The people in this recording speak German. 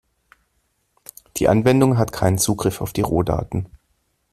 Die Anwendung hat keinen Zugriff auf die Rohdaten.